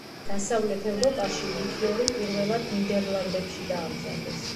დასავლეთ ევროპაში ლიქიორი პირველად ნიდერლანდებში დაამზადეს.